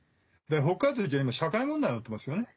北海道じゃ今社会問題になってますよね。